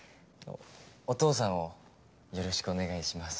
お父さんをよろしくお願いします。